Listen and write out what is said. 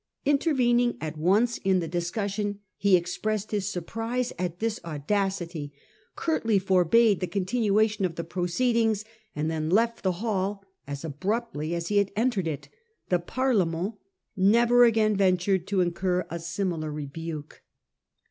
Intervening at once in the discussion, he expressed his surprise at this audacity, curtly forbade the continuation of the proceed ings, and then left the hall as abruptly as he had entered it. The Parlement never again ventured to incur a similar rebuke.